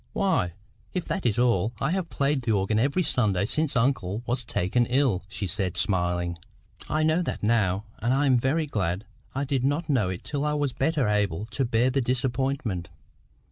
"Why, if that is all, I have played the organ every Sunday since uncle was taken ill," she said, smiling. "I know that now. And I am very glad I did not know it till I was better able to bear the disappointment.